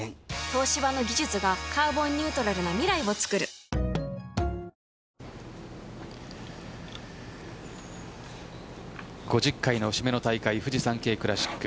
東芝の技術がカーボンニュートラルな未来をつくる５０回の節目の大会フジサンケイクラシック。